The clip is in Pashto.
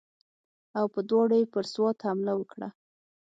او په دواړو یې پر سوات حمله وکړه.